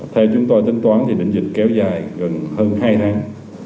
theo chúng tôi tính toán thì bệnh dịch kéo dài gần hơn hai tháng